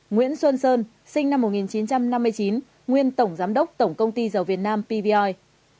nguyễn xuân sơn sinh năm một nghìn chín trăm năm mươi chín nguyên tổng giám đốc tổng công ty dầu việt nam pvoi